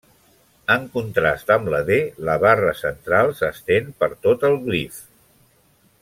En contrast amb Ð la barra central s'estén per tot el glif.